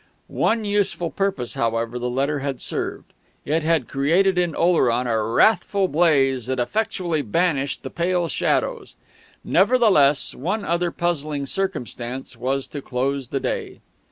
One useful purpose, however, the letter had served: it had created in Oleron a wrathful blaze that effectually banished pale shadows. Nevertheless, one other puzzling circumstance was to close the day.